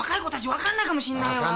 分かんないかもしんないわ。